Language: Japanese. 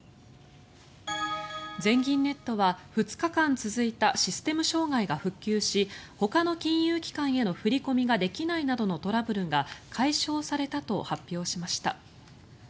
全銀ネットは２日間続いたシステム障害が復旧しほかの金融機関への振り込みができないなどのトラブルが解消されたと発表しました。